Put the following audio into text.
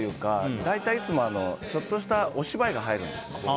大体いつもちょっとしたお芝居が入るんです。